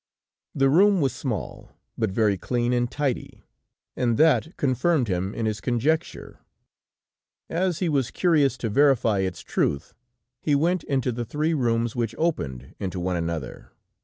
The room was small, but very clean and tidy, and that confirmed him in his conjecture, as he was curious to verify its truth, he went into the three rooms which opened into one another.